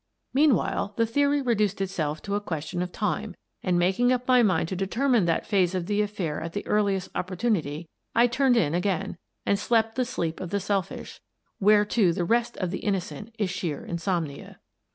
Meanwhile, the theory reduced itself to a ques tion of time, and, making up my mind to deter mine that phase of the affair at the earliest oppor tunity, I turned in again and slept the sleep of the selfish — whereto the rest of the innocent is sheer insomnia.